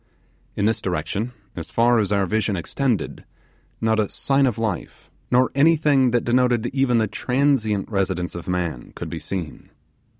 In this direction, as far as our vision extended, not a sign of life, nor anything that denoted even the transient residence of man, could be seen.